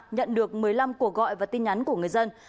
nhận được một mươi năm cuộc gọi và tin nhắn của người dân